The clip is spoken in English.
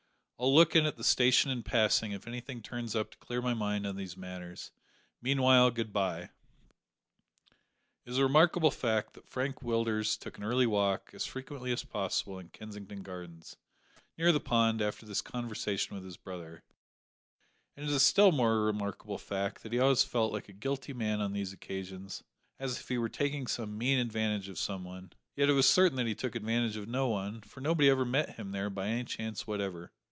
I'll look in at the station in passing if anything turns up to clear my mind on these matters; meanwhile good bye." It is a remarkable fact that Frank Willders took an early walk, as frequently as possible, in Kensington Gardens, near the pond, after this conversation with his brother, and it is a still more remarkable fact, that he always felt like a guilty man on these occasions, as if he were taking some mean advantage of some one; yet it was certain that he took advantage of no one, for nobody ever met him there by any chance whatever!